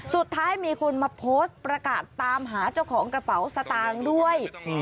สุดท้ายมีคนมาโพสต์ประกาศตามหาเจ้าของกระเป๋าสตางค์ด้วย